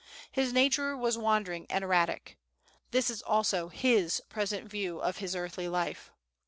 His nature was wandering and erratic. This is also his present view of his earthly life.